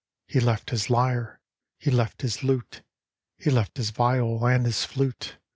He left his lyre, he left his lute, He left his viol and his flute.